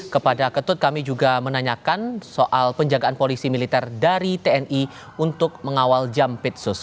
kepada ketut kami juga menanyakan soal penjagaan polisi militer dari tni untuk mengawal jampitsus